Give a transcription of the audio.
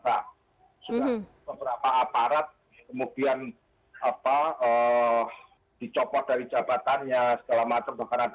sudah beberapa aparat kemudian dicopot dari jabatannya segala macam dengan cara tersangka